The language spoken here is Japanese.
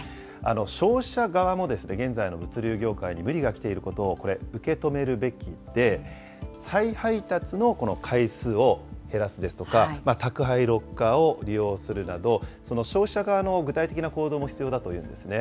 消費者側も現在の物流業界に無理がきていることを受け止めるべきで、再配達のこの回数を減らすですとか、宅配ロッカーを利用するなど、その消費者側の具体的な行動も必要だというんですね。